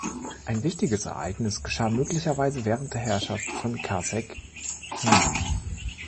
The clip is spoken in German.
Ein wichtiges Ereignis geschah möglicherweise während der Herrschaft von Khasekhemwy.